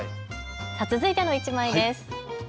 続いての１枚です。